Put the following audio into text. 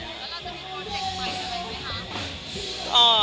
แล้วเราจะมีโปรเจ็คใหม่กันไหมครับ